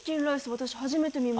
私初めて見ました。